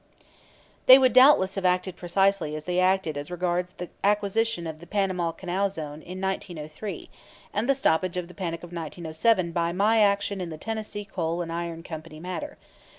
They would doubtless have acted precisely as they acted as regards the acquisition of the Panama Canal Zone in 1903, and the stoppage of the panic of 1907 by my action in the Tennessee Coal and Iron Company matter.